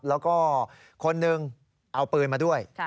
แล้วก็คนหนึ่งเอาปืนมาด้วย